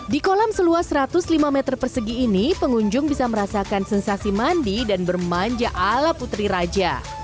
di kolam seluas satu ratus lima meter persegi ini pengunjung bisa merasakan sensasi mandi dan bermanja ala putri raja